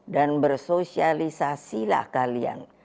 dan bersosialisasilah kalian